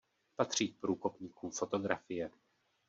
Patří k průkopníkům fotografie.